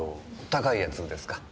高いやつですか？